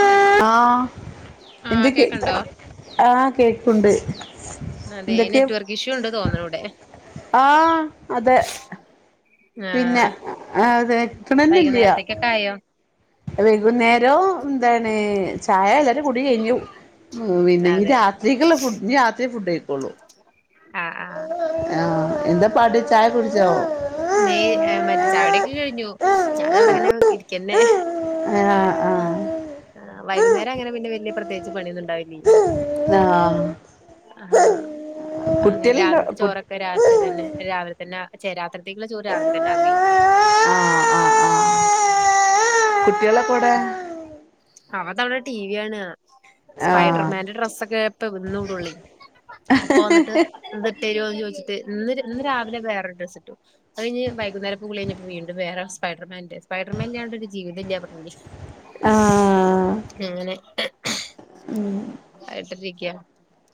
ആഹ് ആഹ് ആഹ് എന്തൊക്കെ കേക്കണ്ടോ ആഹ് കേക്കുണ്ട്. അതെ എന്തൊക്കെ നെറ്റ് വർക്ക് ഇഷ്യൂ ഉണ്ട് തോന്നണു ഇവിടെ ആഹ് അതെ പിന്നെ ആഹ് അഹ് അതേക്കേക്ക്ണന്നല്ല്യാ ക്കായോ വൈകുന്നേരംന്താണ് ചായ എല്ലാരും കൂടി കഴിഞ്ഞു ഉം പിന്നെനീ അതെ രാത്രിക്കുള്ള ഫുഡ് ഇനി രാത്രിയെ ഫുഡ് കയിക്കൊള്ളൂ ആഹ് ആഹ് ആഹ് എന്താ പാട് ചായ കുടിച്ചോ? ന്നേ മറ്റേച്ചയകുടിക്കേ കയിഞ്ഞു ഞാൻതാവിടെങ്ങനെ ഇരിക്കെന്നെ ആഹ് ആഹ് ആഹ് വൈകുന്നേരം അങ്ങനെ പിന്നെ വല്ല്യ പ്രത്യേകിച്ച്പണിന്നുണ്ടാവില്ല്യേ ആഹ് ആഹ് അങ്ങനെ കുട്ടികളുണ്ടോ രാവിൽത്തെ കു ചോറൊക്കെ രാത്രി തന്നെ രാവിൽ പിന്നെ ചേരാത്തട്തേക്കുള്ള ചോറ് ആഹ് രാവിലെതന്നെ ആവുയ് ആഹ് കുട്ടികളൊക്കൊവ്ടേ അവതവടെ ടിവി കാണാ ആഹ് സ്പൈഡർമാന്റെ ഡ്രെസ്സക്കെ [unintelligible] ഇപ്പവന്നിട്ട് ഇട്ടേരുവോന്ന് ചോദിച്ചിട്ട് ഇന്നൊരു ഇന്ന് രാവിലെ വേറോരു ഡ്രസ്സ് ഇട്ടു അത്കഴിഞ്ഞ് വൈകുന്നേരപ്പാ കുളി കഴിഞ്ഞപ്പോ വീണ്ടും വേറെ സ്പൈഡർമാന്റെ സ്പൈഡർമാനില്ലാണ്ട് ഒരു ജീവിത്തല്ല്യ ആഹ് [unintelligible] അങ്ങനെ ആഹ് ആയിട്ടിരിക്ക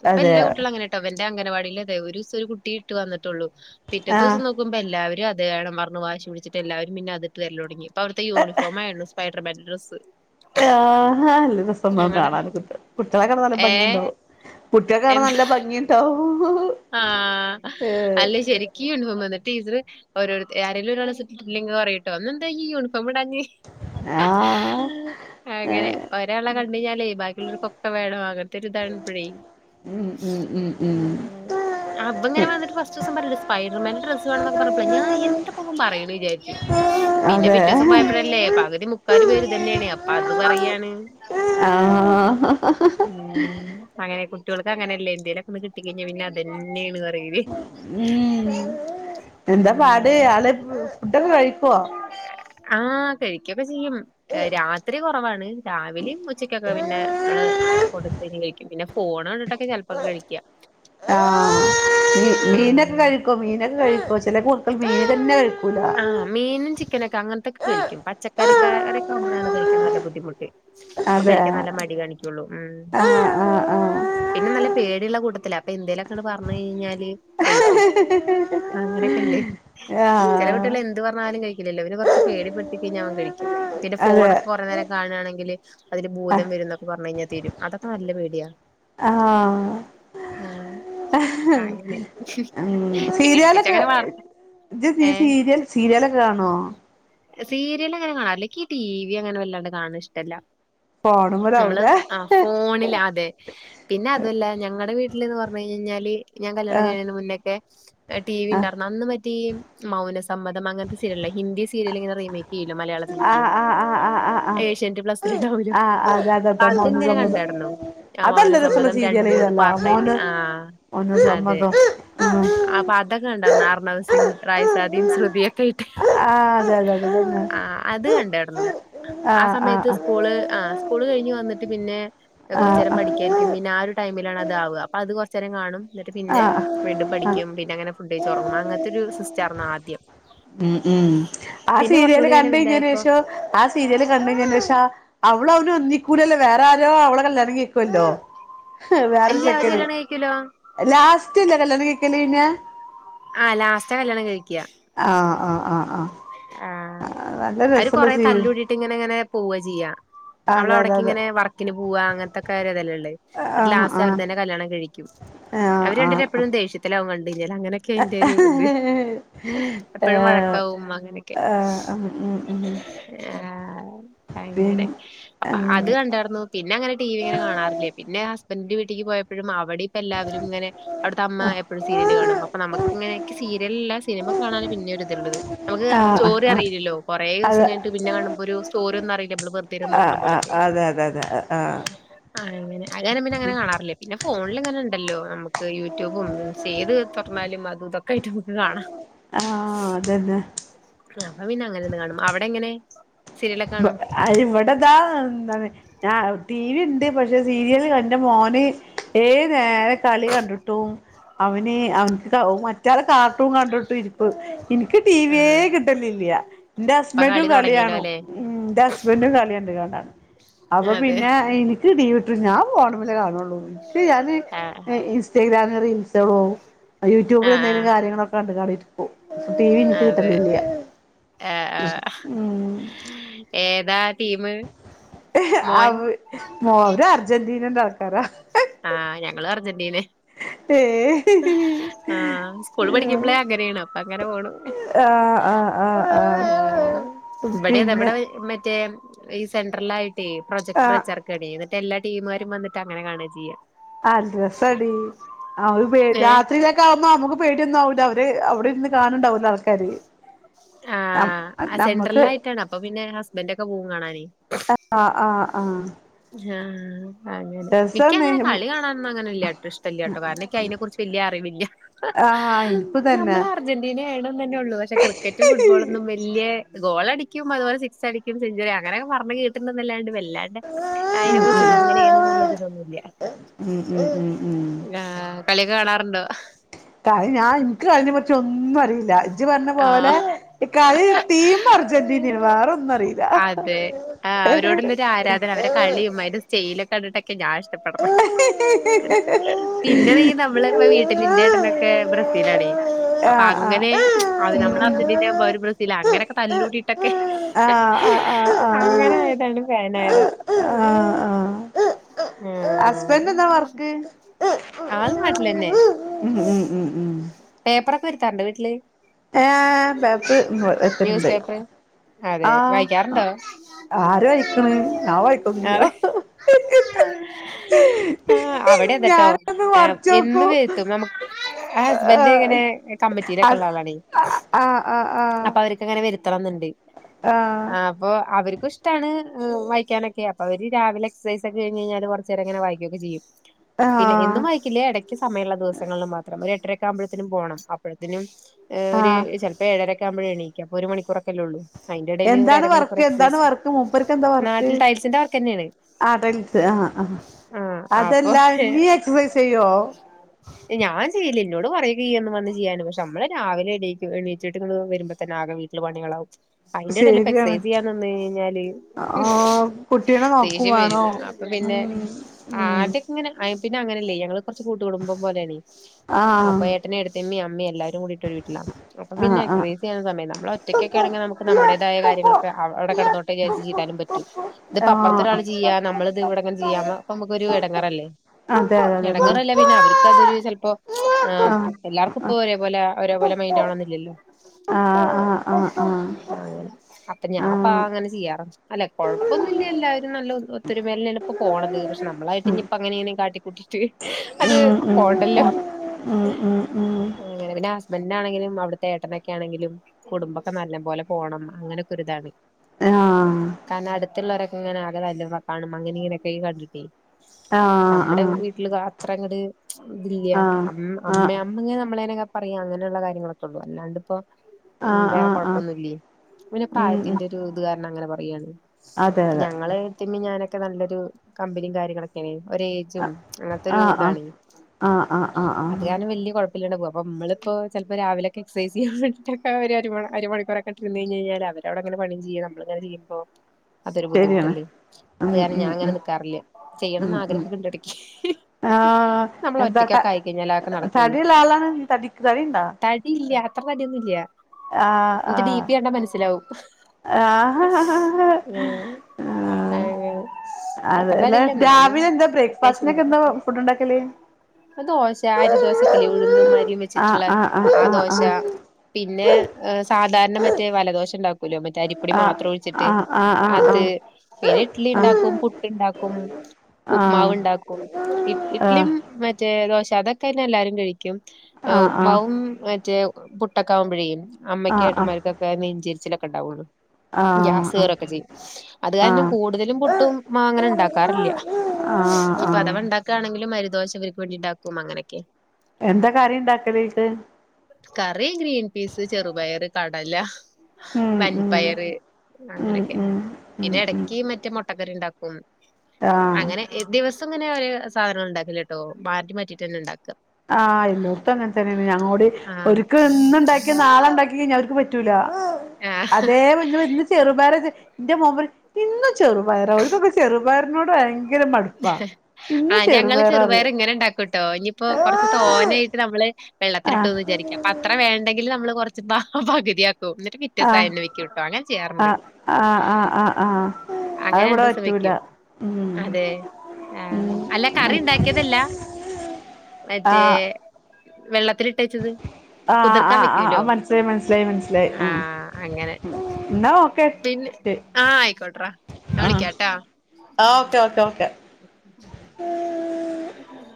ഇപ്പോ എല്ലാ കൂട്ടികളും അങ്ങനെ ഇട്ടവന്റെ അംഗനവാടില് അതെ ഓരിസം ഒരു കുട്ടി ഇട്ട് വന്നട്ടുള്ളൂ ആഹ് പിറ്റേത്താദിസം നോക്കു ക്കുമ്പോ എല്ലാവരും അത് വേണം പറഞ്ഞു വാശി പിടിച്ചിട്ട് എല്ലാരും പിന്നേ അതിട്ട് വരല് തൊടങ്ങി ഇപ്പോ അവിടുത്തെ യൂണിഫോമാ സ്പൈഡർമാന്റെ ഡ്രസ്സ് ആഹാ നല്ല രസണ്ടാവും ഞങ്ങടെ കാണാന് കുട്ടികളെക്കാണാൻ നല്ല ഏ ഭംഗി ഇണ്ടാവും. കുട്ടികക്കണേ എന്ത് നല്ല ഭംഗിയുണ്ടാവു ആഹ് അല്ലേ ശെരിക്ക് ക്കു യൂണിഫോം ആന്ന് ടീച്ചറ് ഓരോ ആരേലും ഒരാളിട്ടില്ലങ്കിൽപറയട്ടോ ഇന്ന് എന്ത ഇയ്യ് യൂണിഫോം ഇടഞ്ഞെ ആഹ് അങ്ങനെ ഏഹ് ഒരാളെ കണ്ട്കഴിഞ്ഞാലെ ബാക്കിയുള്ളോരുക്കൊക്കെ വേണോ അങ്ങനത്തെ ഒരു ഇതാണ്പ്പഴെ ഉം ഉം ഉം അത് ഇങ്ങനെ വന്നിട്ട് ഫസ്റ്റ്സം പറയ സ്പൈഡർമാന് ഡ്രസ്സ് വേണോന്നൊക്കെപറഞ്ഞപ്പളെ ഞാൻ എന്തൊപ്പൊ ഇവൻ പറയണ് വിചാരിച്ച് പിന്നെ അതെ പിറ്റേസം പോയപ്പഴല്ലേ പകുതി മുക്കാല് പേരും ഇതന്നെയാണ് അപ്പോ അത് പറയാണ് ആഹ് ഉം അങ്ങനെ കുട്ട്യോൾക്ക് അങ്ങനെല്ലേ എന്തേലൊക്കെ ഒന്ന് കിട്ടി കഴിഞ്ഞാ പിന്നെ അതെന്നെയാണ് പറയല് ഉം എന്താ പാട് ഉം ആള് ഫുഡൊക്കെ കഴിക്കുവോ? ആഹ് കഴിക്കൊക്കെ ചെയ്യും രാത്രി കൊറവാണ് രാവിലേം ഉച്ചക്കൊക്കെ പിന്നെ നമ്മള് കൊടുത്തേനെ കയിക്കും പിന്നെ ഫോണ്‌ കണ്ടിട്ടൊക്കെ ചെലപ്പോക്കെ കഴിക്കാ ആഹ് മീ മീനൊക്കെ ആഹ് കഴിക്കോ? മീനൊക്കെ കഴിക്കും ചെല [unintelligible] മീൻ തന്നെ കഴിക്കൂലാ ആഹ് മീനും ചിക്കനൊക്കെ അങ്ങനത്തൊക്കെ കഴിക്കും പച്ചക്കറി [unintelligible] മ്പോഴാണ് കഴിക്കാൻ നല്ല ബുദ്ധിമുട്ട് അപ്പോ അതെ കഴിക്കാൻ നല്ല മടി കാണിക്കുള്ളൂ ഉം ആഹ് ആഹ് ആഹ് പിന്നെ നല്ല പേടിള്ള കൂട്ടത്തിലാ അപ്പോ എന്തേലൊക്കെങ്ങട്ട് പറഞ്ഞുകഴിഞ്ഞാല് കഴിക്കും അങ്ങനെയൊക്കെണ്ട് ആഹ് ചെലകുട്ടികള് എന്ത് പറഞ്ഞാലും കഴിക്കില്ലല്ലോ പിന്നെ കൊറ ച്ചു പേടിപ്പെടുത്തി കഴിഞ്ഞ അവൻ കഴിക്കും. പിന്നെ അതെ ഫോണൊക്കെ കൊറേനേരം കാണുവണെങ്കില് അതില് ഭൂതം വരുന്നൊക്കെ പറഞ്ഞു കഴിഞ്ഞാ തെരും അതൊക്കെ നല്ല പേടിയാ ആഹ് ആഹ് അങ്ങനെ പേടിപ്പിച്ച് സീരിയലൊക്കെ അങ്ങനെ വളർ ഇജ്ജ് ഏ സീരിയൽ സീരിയലൊക്കെ കാണുവോ? സീരിയൽ അങ്ങനെ കാണാ അല്ലക്ക് ടി വി അങ്ങനെ വല്ലാണ്ട് കാൺണേ ഇഷ്ട്ടല്ല ഫോണമെലാവുലേ ആഹ് ഫോണില് അതെ പിന്നെ അതുവല്ല ഞങ്ങളടെ വീട്ടിലന്ന് പറഞ്ഞ് കയിഞ്ഞ് കഴിഞ്ഞാല് ഞാൻ കല്യാണം ആഹ് കഴിഞ്ഞന് മുന്നേക്കെ ടി വി ഇണ്ടാർന്നു അന്ന് മറ്റേ ഈഹ് മൗനസമ്മതം അങ്ങനത്തെ സീരിയലല്ല ഹിന്ദി സീരിയലിങ്ങനെ റീമേ ക്കേയിലെ ആഹ് മലയാളത്തില്ക്ക് ആഹ് ആഹ് ആഹ് ആഹ് ആഹ് ഏഷ്യാനെറ്റ്‌ പ്ലസ്സിൽ ഇണ്ടാവുലോ ആഹ് അതെ അതെ അതെ അത്ങ്ങനെ മൗനസമ്മതം കണ്ടായിടന്നു ആ മൗന അതല്ല രസള്ള സമ്മതം രണ്ട് മൂന്ന് പാർട്ടായിട്ട് ആഹ് മൗനം സമ്മതം ഉം അപ്പൊ അതൊക്കെ ഉണ്ടായിരുന്നു അർണവ് സിംഗ് റായസാദിയും ശ്രുതിയൊക്കെ ഇട്ട് ആഹ് അതെ അതെ അതെ അതെതെ ആഹ് അത് കണ്ടായിരുന്നു ആഹ് സമയത്ത് സ്കൂള് ആഹ് സ്കൂൾ കഴിഞ് വന്നിട്ട് പിന്നെ കുറച്ച ആഹ് നേരം പഠിക്കായിരിക്കും പിന്നെ ആ ഒരു ടൈമിലാണ് അതാവവുക അപ്പ അത് കൊറച്ച നേരം കാണും എന്നിട്ട് പിന്നെ ആഹ് വീണ്ടും ആഹ് പഠിക്കും പിന്നെ അങ്ങെ ഫുഡേജ് ഉറങ്ങ്പ അങ്ങനത്തെ ഒരു സിസ്റ്റർ ആഹ് ആദ്യം ഉം ഉം ആ പിന്നെ കുറച്ചും സീരിയല് കൂടി ഇങ്ങനെ കണ്ട കിഞ്ഞന് വലുതായപ്പോ ശേഷോ ആ സീരിയല് കണ്ട കഴിഞ്ഞന് ശേഷാ അവള അവന ഒന്നിക്കൂലല്ലേ വേറെ ആരോ അവളെ കല്യാണം കേൾക്കുമല്ലോ വേറൊരു അല്ല അവര് ചെക്കന് കല്യാണം കഴിക്കൂലോ ലാസ്റ്റ് ഇല്ലല് അല്ലെ കല്യാണം കഴിക്കാല് കഴിഞ്ഞേ ആഹ് ലാസ്റ്റ് കല്യാണം കഴിക്കുക ആഹ് ആഹ് ആഹ് ആഹ് ആഹ് നല്ല അവര് രസള്ള കൊറെ സീരിയൽ തല്ലൂടിട്ട് ഇങ്ങനെ ഇങ്ങനെ പോവ ചെയ്യാ അവള അതെ അതെ അവിടേക്ക് അതെ ഇങ്ങനെ വർക്കിന് പോവക അങ്ങനത്തെൊക്കെ അതെല്ലാം ഉണ്ട് ആഹ് ലാസ്റ്റ് അവർ ആഹ് തന്നെ കല്യാണം കഴിക്കും ആഹ് അവര് കണ്ടിട്ട ആഹ് എപ്പോഴും ദേഷ്യത്തില അവ കണ്ട കഴിഞ്ഞാ അങ്ങനെ ഒക്കെയാ അന്റെ ഒരു ഇത് ആഹ് എപ്പഴും ഏഹ് വഴക്കാവമ്മ അങ്ങനെയൊക്കെ ആഹ് ഉം ഉം ഉം ആഹ് പിൻ അങ്ങനെ അപ്പൊ ഉം അത് കണ്ടായിരുന്നു പിന്നെ അങ്ങെ ടി വി ഇങ്ങനെ കാണാറില്ലേ പിന്നെ ഹസ്ബൻഡറിന്റെ വീട്ടേക്ക് പോയപ്പോഴും അവിടെ എല്ലരും ഇങ്ങനെ അവിടുത്തെ അമ്മ എപ്പോഴും സീരിയല് കാണ് അപ്പൊ നമുക്ക് ഇങ്ങനെയൊക്കെ സീരിയലല്ല സിനിമ കാണാനൻ പിന്നെ ഒരി ഇതള്ളത് നമുക്ക് ആ ആഹ് ആഹ് സ്റ്റോറിഅറിയില്ലോല്ലോ കുറ അത് ദിവസം കിട്ട പിന്നെ കാണുമ്പോ ഒരു സ്റ്റോറി ഒന്നും അറിയില്ല നമ്മ വെറ ആഹ് ആഹ് അതെ അതെ അതെ ആഹ് ആ ഹ് അങ്ങന അനെ പിന്ന അങ്ങനെ കാണറില്ലേ പിന്നെ ഫോണിൽ ഇങ്ങനെ ഉണ്ടല്ലോ നമുക്ക് യൂട്യൂബും മീൻസ് ഏത് തുറമാലും അത് ഇതൊക്കെ ആയിട്ട് നമുക്ക് കാണാം ആഹ് അതന്നെ അപ്പ മീന അങ്ങനെന്ന് കാണും അവിടെ എങ്ങനെ സീരിയലൊക്കെ കാണും ഇവിടെതാ എന്ത ഞ ടി വി ഉണ്ട് പക്ഷെ സീരിയല് കണ്ട മോ ഏ തു നേരെ കളി കണ്ടിട്ടും അവന് അവനിക്ക് മറ്റാല് കാർട്ടൂൺ കണ്ടിട്ട് ഇരിക്ക് എനിക്ക് ടിവിയേ ആഹ് കിട്ടലില്ലയ എന്റെ ഇപ്പൊ ഹസ്ബൻറും കളി തുടങ്ങിയല്ലോ കളികാണും അല്ലെ ഉം എന്റെ ഹസ്ബൻറും കളി ഉണ്ട് കാണാൻ അപ്പൊ അതെ പിന്നെ എനിക്ക് ഡീവിട്ട് ഞാൻഫോണിൽമേൽ കാണുള്ളൂ എനിക്ക് ഞാന് ആഹ് ഇൻസ്റ്റഗ്രാം റീൽസ്റ്റോ യൂട്യൂബിൽ ആഹ് എന്തെങ്കിലും കാര്യങ്ങളൊക്കെ കണ്ടുക കാണിട്ടരിക്കോ ടി വി എനിക്ക് ആഹ് അതെ കിട്ടലില്ല ആഹ് ഏ ആഹ് ഉം ഏതാ ടീം അവര് അർജന്റീനന്റെ ആൾക്കാരാ ആഹ് ഞങ്ങള് അർജന്റീനെ ഏഹ് ആഹ് സ്കൂള് പഠിക്കുമ്പളേ അങ്ങനെയാണ് അപ്പ അങ്ങനെ പോണ ആഹ് ആഹ് ആഹ് ഏഹ് ആഹ് ഇവിടെ അത പിന്നെ എവിടെ മറ്റേ ഈ സെൻട്രൽ ആയിട്ട് പ്രൊജക്ട്ർ ആഹ് വച്ചേർക്കുകണ എന്നിട്ട് എല്ലാ ടീമമാരും വന്നിട്ട് അങ്ങനെ കാണുക ചെയ്യാം അ ഡ്രസ അടി അവ ഏഹ് രാത്രിയില കുമ്പോ നമുക്ക് പേടിയ ഒന്നുംല്ല അവര് അവിടെ ഇരുന്ന് കാണണ്ടാവൂല് ആൾക്കാര് ആ സെൻട്രൽ നമ്മക്ക് ആയിട്ടാണ് അപ്പൊ പിന്നെ ഹസ്ബൻഡ ഒക്കെ പോകും കാണാനേ ആഹ് ആഹ് ആഹ ഹ്യാ അങ്ങനെ ഇക്കി അങ്ങനെ കളി കാണാനോന്നും അങ്ങനെ ഇല്ല്യാട്ടോ ഇഷ്ടല്ല്യാട്ടോ കാരണം ഇക്കി അയിനെ കുറിച്ച് വല്ല്യ അറിവില്ല ആഹ് എനിക്കും തന്നെ നമ്മള് അർജന്റീനെ ആണ്ന്നന്നെ ഒള്ളൂ പക്ഷെ ക്രിക്കറ്റും ഫുട്ബോളൊന്നും വല്ല്യ ഗോളടിക്കും അതു പോലെ സിക്സ് അടിക്കും സെഞ്ചുറി അങ്ങനെക്കെ പർഞ് കേട്ടിണ്ട്ന്നല്ലാണ്ട് വല്ലാ തെ അയിനെ ഉം കുർച്ച് ഇങ്ങനെന്നു ഇങ്ങനെണ്ന്നുള്ളരു ഇതൊന്നുല്ല്യ ഉം ഉം ഉം ഉം ആ കളിയൊക്ക കാണാറ്ണ്ടോ കളി ഞാൻ ഇൻക്ക് കളിനെ പറ്റി ഒന്നും അറീല ഇജ്ജ് പർഞ്ഞ പോലെ ആഹ് കളി ടീമ് അർജന്റീനെണ് വാറ ഒന്നു അതെ ആ അവരോട് ഇല്ലരു ആരാധന അവരെ കളീം അയിന്റെ സ്റ്റെയിലൊക്ക കണ്ട്ട്ടൊക്കെ ഞാൻ ഷ് [unintelligible] പിന്നെണെങ്കി നമ്മള ഇപ്പ വീട്ടില് ഇന്റെ എട്ടനക്കെ ബ്രസീല് ആണെ അപ്പൊ ആ ആഹ് അങ്ങനെ ആഹ് അവര് ഉം നമ്മള് ഉം അർജന്റീന ആവുമ്പ അവര് ബ്രസീല അങ്ങനെക്കെ തല്ലൂടിട്ടൊക്കെ ആഹ് ആഹ് ആഹ് അങ്ങനെ ആഹ് ആയതാണ് ഫാനായത ആഹ് ആഹ് ഹസ്ബൻഡ് എന്താ വർക്ക് ആള് നാട്ടിലന്നെ ഉം ഉം ഉം ഉം പേപ്പറൊക്ക വര്ത്താറ്ണ്ടോ വീട്ട്ല് ഏ പേപ്പറ് ന്യൂസ് വര്ത്തല്ണ്ട് പേപ്പറ് അതെ വായിക്കാറുണ്ടോ ആര് വായിക്ക്ണ് ഞാൻ വായിക്കോന്നില്ല അതെ ആ അവടെ അതെട്ടോ എന്നും നോക്കും വര്ത്തും നമു ഹസ്ബൻഡ് ഇങ്ങനെ ഏഹ് കമ്മറ്റിലൊക്ക അത് ഇള്ള ആളാടീ ആഹ് ആഹ് ആഹ് അപ്പൊ അവര് ങ്ങനെ വര്ത്തണം ന്ന്ണ്ട് ആഹ് ആ അപ്പൊ അവര്ക്കും ഇഷ്ടാണ് വായിക്കാനോക്കെ അപ്പ അവര് രാവിലെ എക്സസൈസ് ഒക്ക കഴിഞ് കഴിഞ്ഞാല് കൊർ ചെരം ഇങ്ങനെ വായിക്കൊക്കെ ചെയ്യും പിന്നെ എന്നും ആഹ് വായി ക്കില്ല എടക്ക് സമയള്ള ദിവസങ്ങൾല് മാത്രം ഒരു എട്ടരക്ക ആവുമ്പഴേത്തിനും പോണം അപ്പഴത്തിനും ഒരു ആഹ് ചെ ഇക്ക ഏരക്കാവുമ്പോയേ എണീക്ക അപ്പ ഒരുണിക്കൂറക്കല്ലേ ഒള്ളൂ എന്താണ് വർക്ക് എന്താണ് വർക്ക് മൂപ്പര്ക്ക് എന്താ വർക്ക് നാട്ടിൽ ടൈൽസിന്റെ വർക്ക് തന്നെയാണ് ആ ടൈൽസ് ആ ആ ആ അപ്പൊ അതെല്ലാ നീ എക്സസൈസ് ചെയ്യോ ഞാൻ ചെയ്യില്ല ഇന്നോട് പറയൊക്കെ ചെയ്യും എന്നും വന്ന് ചെയ്യാന് പക്ഷെ നമ്മള് രാവിലെ എണീക്കു എണീചിട്ട് വരുമ്പ തന്നെ ആകെ പണികളാവും അയിന്റെ എടെല് ഇപ്പോ ശരിയാണ് എക്സസൈസ് ചെയ്യാൻ നിന്ന് കഴിഞ്ഞയിഞ്ഞാല് ആ കുട്ടീനെ നോക്കും ദേഷ്യം വേണോ വരും പിന്നെ ഉം ഉം ആദ്യ അങ്ങനെ പിന്നെ അങ്ങനെല്ലേ ഞങ്ങള് കൊർച്ച് കൂട്ടു കുടുംബം പോലെണെ ആഹ് അപ്പ ഏട്ടന് എട്ടത്തിയമ്മീം അമ്മീം എല്ലാ രും കൂടീട്ട് ഒരു വീട്ടില അപ്പൊ പിന്നെ ആഹ് ആഹ് എക്സസൈസ് ചെയ്യാൻ സമയല്ല നമ്മള് ഒറ്റക്കെക്കെ ആണങ്കി നമു നമ്മടേതായ കാര്യങ്ങളൊക്കെ അവ് അവടെ കെടന്നോട്ടെ വിചാരിച്ച് ചെയ്താലും പറ്റും ഇതിപ്പ ആഹ് അപ്പർത്തരാള് ചെയ്യ നമ്മള് ഇത് ഇവടങ്ങെനെ ചെയ്യാ നമ്മള് അപ്പം നമ്മക്കൊര് എടങ്ങെറല്ലേ അതെ അതെ അതെ എടങ്ങെറല്ല പിന്നെ അവര്ക്ക് അതൊരു ചെൽപ്പോ ആ ആഹ് ആഹ് എല്ലാർക്കും ഒരേ പോലെ ഒരേ പോലെ മൈൻഡ് ആവണന്നില്ലല്ലോ ആഹ് ആഹ് ആഹ് അങ്ങനെ ആഹ് അപ്പം ഞാപ്പാ ആഹ് അങ്ങന ചെയ്യാറ് അല്ല കൊഴപ്പൊന്നില്ല ഉം എല്ലാരും നല്ല ഒത്തരുമേലെന്നെ ഇപ്പൊ പോണത് പക്ഷെ നമ്മളായിട്ട് ഇഞ്ഞി ഇപ്പ അങ്ങനെനിം കാട്ടിക്കൂട്ടിട്ട് അത് പോണ്ടല്ലോ ആ ആ അങ്ങനെ പിന്നെ ഹസ്ബൻഡിന് ആണെങ്കിലും അവ്ട്ത്തെ ഏട്ടനൊക്കെ ആണെങ്കിലും കുടുംബൊക്കെ നല്ലം പോലെ പോണം അങ്ങനോക്ക ഒര്താണ് ആഹ് കാരണം അട്ത്തുള്ളവരൊക്കെ ഇങ്ങനെ ആക തല്ലും വക്കാണും അങ്ങനി ഇങ്ങനെക്കെ കണ്ട്ട്ടേ ആഹ് നമ്മടെ വീട്ടില് കാ അത്രങ്ങ്ട് ഇതില്ല. ആഹ് അമ്മ ആഹ് ആഹ് അമ്മയാ അമ്മങ്ങനേ നമ്മളേനൊക്കെ പറയാ അങ്ങനെള്ള കാര്യങ്ങളൊക്കെ. ത്രൊള്ളൂ. അല്ലാണ്ട്പ്പോ ഉം ആഹ് വേറെ ആഹ് ആഹ് കൊഴപ്പൊന്നുല്ലേ. പിന്നെ ഉം ഉം പ്രായത്തിന്റെ ഒരു ഇത് കാരണം അങ്ങനെ പറയാണ്. അതെ ഇപ്പ അതെ ഞങ്ങള് ന്റിമ്മീ ഞാനൊക്കെ നല്ലൊരു കമ്പനിം കാര്യങ്ങളൊക്കേണ്. ഒരേജും അങ്ങത്തൊരു ആഹ് ആഹ് ഇതാണെ. ആഹ് ആഹ് ആഹ് അത് ആഹ് കാരണം വല്ല്യ കെ യ്യണപ്പോ. അപ്പോ ഇമ്മളിപ്പോ ചെൽപ്പോ രാവിലൊക്കെ എക്സൈസിയ്യാൻ വേണ്ടിട്ടാക്കാരം ഒരു അരമണി അരമണിക്കൂറൊക്കെ ചെന്ന് കയ്ഞ്ഞേയ്ഞ്ഞാല് അവരവിടെ അങ്ങനെ പണീം ചെയ്യ നമ്മളിങ്ങെനെ ചെയ്യുമ്പോ അതൊരു ശരിയാണ് ബുദ്ധിമുട്ടല്ലേ? ഉം അത് കാരണം ഉം ഞാൻ അങ്ങനെ ഉം നിക്കാറില്ല. ഉം ചെയ്യണംന്ന് ഉം ആഗ്രഹക്കെണ്ട് എടക്കി ആഹ് എന്താ ത നമ്മളൊറ്റക്കൊക്കെ ആയി കഴിഞ്ഞാലെ അതൊക്കെ നടക്കുള്ളൂ. തടിയുള്ള ആളാണ് നീ തടി തടിയുണ്ടോ ത ടി ഇല്ല്യാ അത്രതടിയൊന്നുല്ല്യാ. ആഹ് ആഹ്. കണ്ടാ മനസ്സിലാവും. ഉം ആഹ് അങ്ങനെ. അതെ അത്ര ലെ, തടിയില്ല എന്നാലും രാവിലെന്താ അത്യാവശ്യണ്ട് ബ്രേക്ക്ഫാസ്റ്റിനൊക്കെ എന്താ ഫുഡ് ഇണ്ടാക്കല്? ദോശ അരിദോശക്കെല്ല ഉഴുന്നും അരീം ആഹ് വെച്ചിട്ട്ള്ളേ? ആഹ് ആഹ് ആ ദോശ പിന്നെ ഏഹ് സാധാരണ മറ്റേ വലദോശ ഇണ്ടാക്കൂലോ മറ്റേ അരിപ്പൊടി ആഹ് മാത്രം ഒഴിച്ചിട്ട്? ആഹ് ആഹ് ആഹ് അത് പിന്നെ ഇട്ട്ലിണ്ടാക്കും പുട്ട്ണ്ടാക്കും. ആഹ് ആഹ് ഉപ്മാവ്ണ്ടാക്കും. ഇട്ട് ആഹ് ആഹ് ആഹ് ആഹ് ഇട്ട്ലിം ആഹ് മറ്റേ ദോശ അതൊക്കെ തന്നെ എല്ലാരും കഴിക്കും. ഏഹ് ഉപ്മാവും ആഹ് ആഹ് മറ്റേ പുട്ടൊക്കാവുമ്പോഴേ അമ്മക്കും ഏട്ടന്മാര്ക്കൊക്കെ നെഞ്ചിരിച്ചിലൊക്കെ ഇണ്ടാവൊള്ളു. ഗ്യാസ് കേറൊക്കെ ചെയ്യും. അത് കാരണം കൂടുതലും പുട്ടും ആഹ് ഉപ്മാവും അങ്ങനെ ആഹ് ഇണ്ടാക്കാറില്ല. ആഹ് ആഹ് ഇനിപ്പൊ ആഹ് അഥവ ഇണ്ടാക്കാണെങ്കിലും അരിദോശ ഇവര്ക്ക് വേണ്ടി ഇണ്ടാക്കും അങ്ങനെക്കെ. എന്താ കറീ ഇണ്ടാക്കലയ്ക്ക്? കറി ഗ്രീൻപീസ്, ചെറുപയറ്, കടല ഉം ഉം വൻപയറ് ഉം അങ്ങനെക്കെ. ഉം ഉം പിന്നെ ഉം എടക്ക് മറ്റേ മൊട്ടക്കറി ഇണ്ടാക്കും. ക്കും ആഹ് അങ്ങനെ. ദിവസം ഇങ്ങനെ ഒരേ സാധനങ്ങളിണ്ടാക്കൂല്ലാട്ടോ. മാറ്റി മാറ്റിട്ടന്നെ ഇണ്ടാക്ക. ആഹ് എല്ലോട്ത്തും അങ്ങത്തന്നേണ് ഞങ്ങളോട് ആഹ് ഒരിക്കെ ഇന്ന് ഇണ്ടാക്കിയ നാളെ ഇണ്ടാക്കി കഴിഞ്ഞ അവർക്ക് പ റ്റൂല്ല. ആഹ് അതേപോലെ ഇന്ന് ചെറുപയറാച്ചാ ഇന്റെ മോന് പറിം ഇന്നും ചെറുപയറാ അവര്ക്കൊക്കെ ചെറുപയറിനോട് ഭയങ്കര മട്പ്പാ. ഇന്ന് ചെറ്പയറാറീം. അങ്ങനെ ഇണ്ടാക്കുംട്ടോ ഇനിപ്പോ കൊറച്ച് തോനായിട്ട് നമ്മള് വെള്ളത്തിലിട്ടൂന്ന് വിചാരിക്ക അപ്പൊ അത്ര വേണ്ടെങ്കില് നമ്മള് കൊറച് പാ പകുതിയാക്കും ഇന്നിട്ട് ആഹ് പിറ്റേസയന്നെ വെക്കു ട്ടോ. അങ്ങനെ ചെയ്യാറ്ണ്ട്. ആഹ് ആഹ് ആഹ് ആഹ് ആഹ് അത് അങ്ങനെ ഇവിടെ രണ്ടൂസം പറ്റൂല വെക്കും. ഉം അതെ ആഹ്, അല്ല കറി ഇണ്ടാക്കിയതല്ല മറ്റേ ആഹ് വെള്ളത്തിലിട്ടേച്ചത് ആഹ് കുതിർക്കാൻ ആഹ് വെക്കോലോ? ആഹ് മനസ്സിലായി മനസ്സിലായി മനസ്സിലായി ആഹ് അങ്ങനെ. എന്നാ ഓക്കെ പിന്നെ ശരി ആഹ് അയിക്കോട്ടറാ. ഞാൻ ആഹ് വിളിക്കാട്ടാ. ആ ഓക്കെ ഓക്കെ ഓക്കെ [inaudible]